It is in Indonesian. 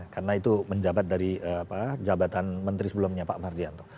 karena itu menjabat dari jabatan menteri sebelumnya pak mardianto